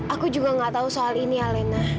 aku juga gak tahu soal ini alena